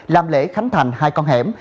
làm lễ khánh thành hai con hẻm